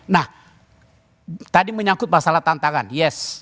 nah tadi menyangkut masalah tantangan yes